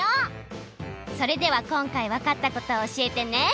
それではこんかいわかったことを教えてね！